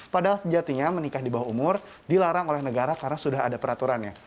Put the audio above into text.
padahal sejatinya menikah di bawah umur dilarang oleh negara karena sudah ada peraturannya